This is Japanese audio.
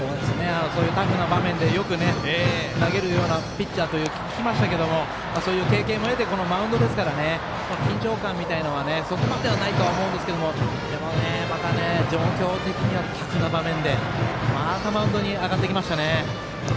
そういうタフな場面でよく投げるようなピッチャーと聞きましたけれどもそういう経験も得てこのマウンドですから緊張感はそこまでないと思うんですがでも、また状況的にはタフな場面でまたマウンドに上がってきました。